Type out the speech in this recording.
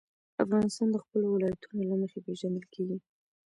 افغانستان د خپلو ولایتونو له مخې پېژندل کېږي.